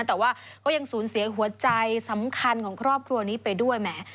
แต่ว่าก็ยังสูญเสียหัวใจสำคัญของครอบครัวนี้ไปด้วยแหม